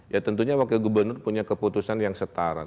ya tentunya wakil gubernur punya keputusan yang setara